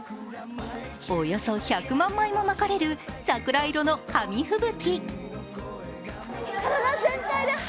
およそ１００万枚もまかれる、桜色の紙吹雪。